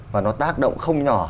và nó tác động không nhỏ